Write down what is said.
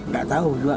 gak tau juga